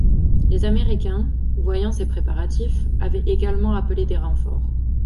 Les Américains, voyant ces préparatifs, avaient également appelé des renforts.